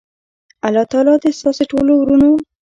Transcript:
الله تعالی دی ستاسی ټولو ورونو